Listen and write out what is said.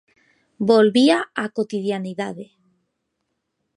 Volvía á cotidianeidade.